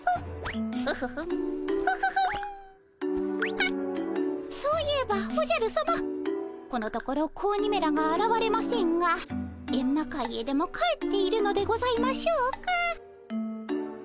ハッそういえばおじゃるさまこのところ子鬼めらがあらわれませんがエンマ界へでも帰っているのでございましょうか。